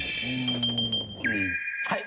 はい。